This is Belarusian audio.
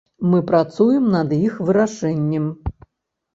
Мы працуем над іх вырашэннем.